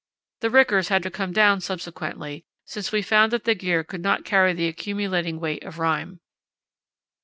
The rickers had to come down subsequently, since we found that the gear could not carry the accumulating weight of rime.